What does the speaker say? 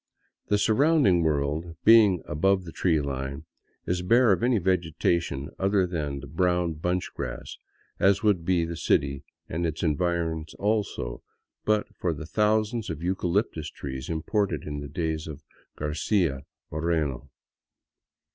The surrounding world, being above the tree line, is bare of any vegetation other than the brown bunch grass ; as would be the city and its environs, also, but for the thousands of eucalyptus trees imported in the days of Garcia Moreno.